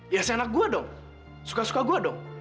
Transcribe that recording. ya sih anak gue dong suka suka gue dong